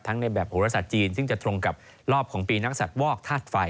ทั้งในแบบโหระสัตว์จีนซึ่งจะตรงกับรอบของปีนักศักดิ์วอกธาตุไฟ